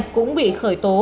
cũng bị khởi tố